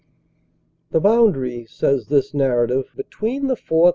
"The Boundary," says this narrative, "between the 4th.